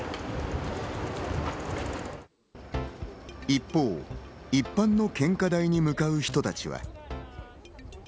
一方、一般の献花台に向かう人たちは。